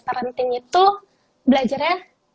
parenting itu belajarnya